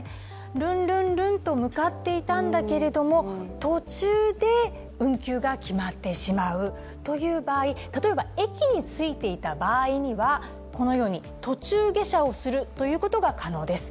ルンルンルンと向かっていたんだけれども途中で運休が決まってしまうという場合例えば駅に着いていた場合にはこのように途中下車をするということが可能です。